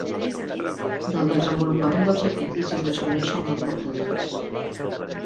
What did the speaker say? Del desenvolupament dels sacrificis es coneixen molt pocs detalls.